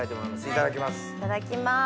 いただきます。